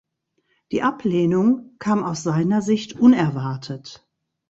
Die Ablehnung kam aus seiner Sicht unerwartet.